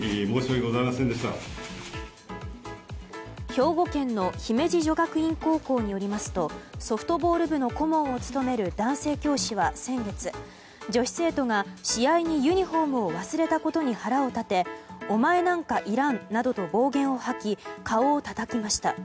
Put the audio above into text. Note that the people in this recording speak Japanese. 兵庫県の姫路女学院高校によりますとソフトボール部の顧問を務める男性教師は先月、女子生徒が試合にユニホームを忘れたことに腹を立てお前なんかいらんなどと暴言を吐き顔をたたきました。